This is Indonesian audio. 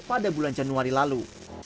pada bulan januari lalu